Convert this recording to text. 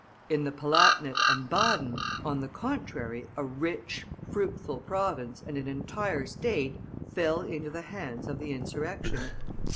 In the Palatinate and Baden, on the contrary, a rich, fruitful province and an entire state fell into the hands of the insurrection.